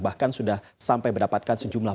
bahkan sudah sampai mendapatkan sejumlah